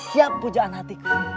siap pujaan hatiku